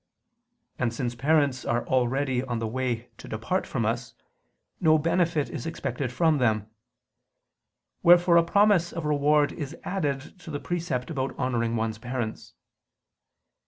And since parents are already on the way to depart from us, no benefit is expected from them: wherefore a promise of reward is added to the precept about honoring one's parents.